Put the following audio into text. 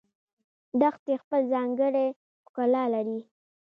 دښتې خپل ځانګړی ښکلا لري